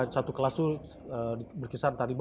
tapi satu kelas itu berkisar antara lima puluh seratus ya